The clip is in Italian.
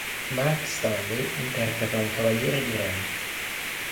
Mark Stanley interpreta un Cavaliere di Ren.